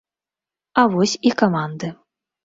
А вось і каманды.